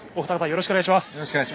よろしくお願いします。